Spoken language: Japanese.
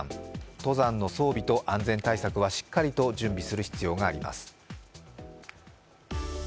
登山の装備と安全対策はしっかりと準備する必要があります。